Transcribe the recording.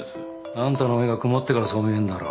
アンタの目が曇ってるからそう見えんだろ。